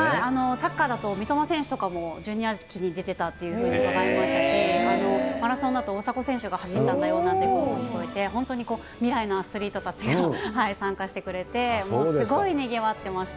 サッカーだと三笘選手とかもジュニア期に出てたというふうに伺いましたし、マラソンだと大迫選手が走ったんだよなんて声も聞こえて、未来のアスリートたちが参加してくれて、もうすごいにぎわってました。